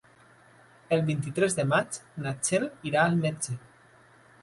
El vint-i-tres de maig na Txell irà al metge.